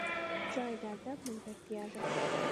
چای د ادب ملګرتیا ده